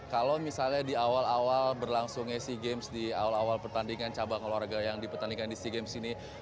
kalau misalnya di awal awal berlangsungnya sea games di awal awal pertandingan cabang olahraga yang dipertandingkan di sea games ini